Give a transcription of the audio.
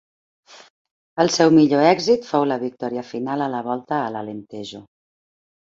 El seu millor èxit fou la victòria final a la Volta a l'Alentejo.